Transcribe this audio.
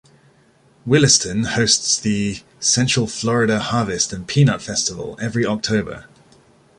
Williston hosts the Central Florida Harvest and Peanut Festival every October.